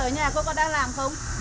ở nhà cô có đang làm không